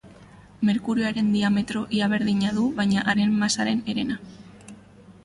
Merkurioren diametro ia berdina du, baina haren masaren herena.